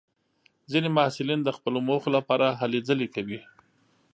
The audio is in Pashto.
ځینې محصلین د خپلو موخو لپاره هلې ځلې کوي.